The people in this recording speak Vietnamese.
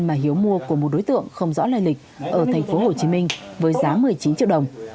mà hiếu mua của một đối tượng không rõ lời lịch ở tp hcm với giá một mươi chín triệu đồng